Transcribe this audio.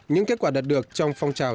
những kết quả đạt được trong phong trào